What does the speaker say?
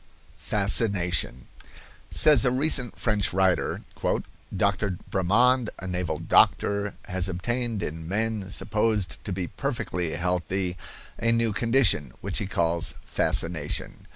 FASCINATION. Says a recent French writer: "Dr. Bremand, a naval doctor, has obtained in men supposed to be perfectly healthy a new condition, which he calls fascination.